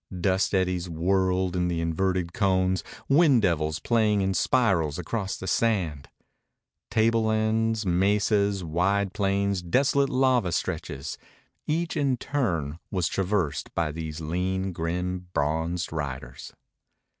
Dust eddies whirled in inverted cones, wind devils playing in spirals across the sand. Tablelands, mesas, wide plains, desolate lava stretches. Each in turn was traversed by these lean, grim, bronzed riders.